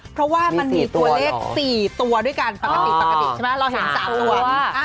เพราะว่ามันมีตัวเลข๔ตัวด้วยกันปกติใช่ไหมเราเห็น๓ตัว